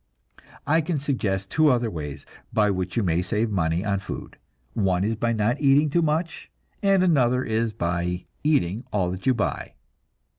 I can suggest two other ways by which you may save money on food. One is by not eating too much, and another is by eating all that you buy.